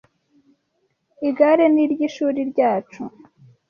Igare ni iryishuri ryacu.